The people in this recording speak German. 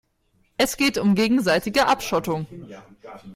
Es geht um gegenseitige Abschottung.